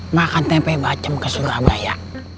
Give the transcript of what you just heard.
makan tempe bacem ke surabaya